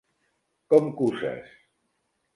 Com cuses?